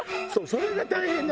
それが大変。